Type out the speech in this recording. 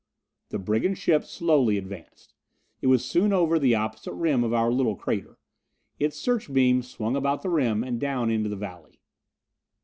The brigand ship slowly advanced. It was soon over the opposite rim of our little crater. Its search beam swung about the rim and down into the valley.